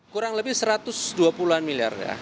kurang lebih satu ratus dua puluh an miliar ya